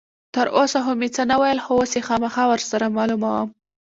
تر اوسه خو مې څه نه ویل، خو اوس یې خامخا ور سره معلوموم.